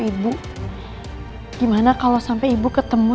kamu bisa tinjam jalan nggak bisa beli